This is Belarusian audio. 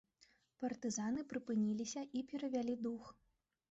Партызаны прыпыніліся і перавялі дух.